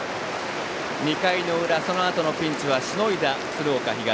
２回の裏そのあとのピンチはしのいだ鶴岡東。